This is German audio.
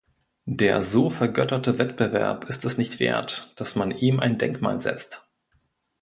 Der so vergötterte Wettbewerb ist es nicht wert, dass man ihm ein Denkmal setzt.